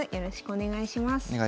お願いします。